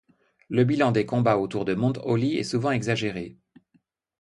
Le bilan des combats autour de Mount Holly est souvent exagérées.